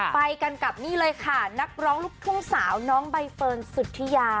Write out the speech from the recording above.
ไปกันกับนี่เลยค่ะนักร้องลูกทุ่งสาวน้องใบเฟิร์นสุธิยา